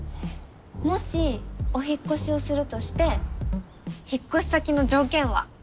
もしお引っ越しをするとして引っ越し先の条件は？